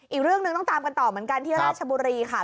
อีกเรื่องหนึ่งต้องตามกันต่อเหมือนกันที่ราชบุรีค่ะ